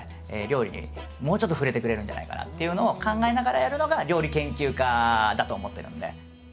料理にもうちょっと触れてくれるんじゃないかなというのを考えながらやるのが料理研究家だと思ってるんで。